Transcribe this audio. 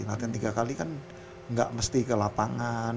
latihan tiga kali kan nggak mesti ke lapangan